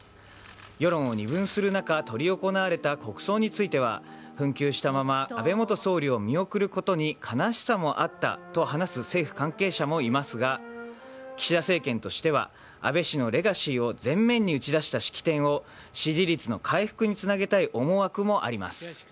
世論を二分する中執り行われた国葬については紛糾したまま安倍元総理を見送ることに悲しさもあったと話す政府関係者もいますが岸田政権としては安倍氏のレガシーを前面に打ち出した式典を支持率の回復につなげたい思惑もあります。